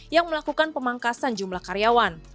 yang melakukan pemangkasan jumlah karyawan